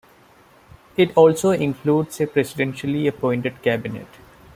It also includes a presidentially appointed cabinet.